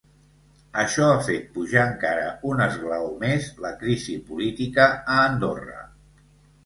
Això ha fet pujar encara un esglaó més la crisi política a Andorra.